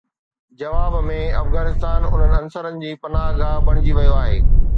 جواب ۾ افغانستان انهن عنصرن جي پناهه گاهه بڻجي ويو آهي